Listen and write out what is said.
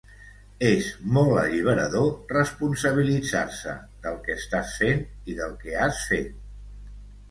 És molt alliberador responsabilitzar-se del que estàs fent i del que has fet.